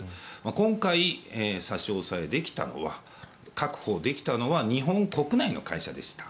今回、差し押さえできたのは確保できたのは日本国内の会社でした。